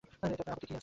এতে আপত্তির কী আছে?